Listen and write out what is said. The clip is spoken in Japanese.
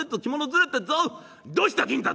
どうした金太！」。